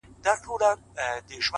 ها ښکلې که هر څومره ما وغواړي-